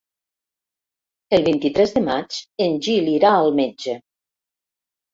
El vint-i-tres de maig en Gil irà al metge.